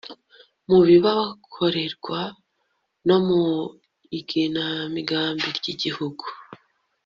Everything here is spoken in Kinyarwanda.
mu bibakorerwa no mu igenamigambi ry igihugu